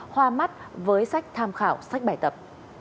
hoa mắt với sách tham khảo sách bài tập